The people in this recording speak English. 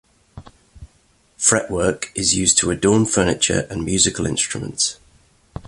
Fretwork is used to adorn furniture and musical instruments.